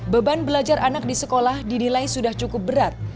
beban belajar anak di sekolah dinilai sudah cukup berat